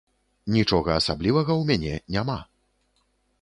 Нічога асаблівага ў мне няма.